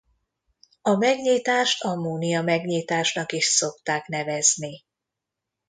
A megnyitást ammónia-megnyitásnak is szokták nevezni.